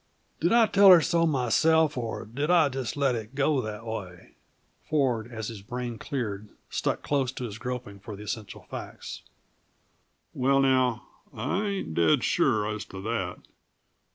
"Did I tell her so myself, or did I just let it go that way?" Ford, as his brain cleared, stuck close to his groping for the essential facts. "Well, now I ain't dead sure as to that.